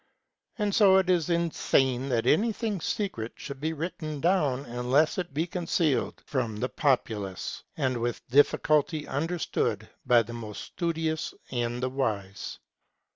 And so it is insane that anything secret should be written down unless it be concealed from the populace, and with difficulty understood by the most studious and the wise.